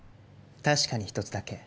確かに一つだけ。